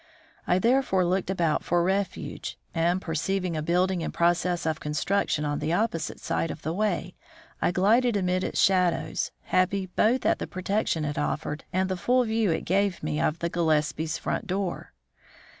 I therefore looked about for refuge, and perceiving a building in process of construction on the opposite side of the way, I glided amid its shadows, happy both at the protection it offered and the full view it gave me of the Gillespie front door.